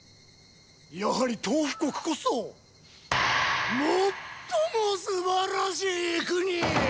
やはりトウフ国こそ最も素晴らしい国！